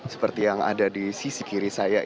seperti yang ada di sisi kiri saya